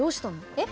えっ？